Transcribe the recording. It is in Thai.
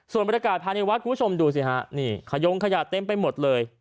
ส่วนบรรยากาศภายในวัดคุณผู้ชมดูสิฮะนี่ขยงขยะเต็มไปหมดเลย